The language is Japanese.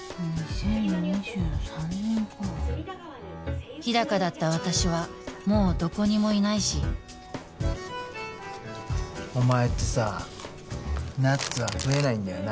２０２３年か日高だった私はもうどこにもいないしお前ってさナッツは食えないんだよな